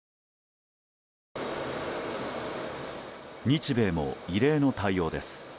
日米も異例の対応です。